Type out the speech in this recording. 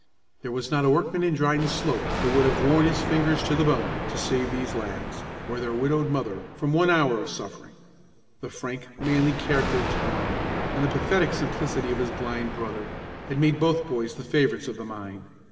There was not a workman in Dryden Slope but would have worn his fingers to the bone to save these lads, or their widowed mother, from one hour of suffering. The frank, manly character of Tom, and the pathetic simplicity of his blind brother, had made both boys the favorites of the mine.